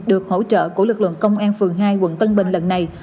được hỗ trợ của lực lượng công an phường hai quận tân bình lần này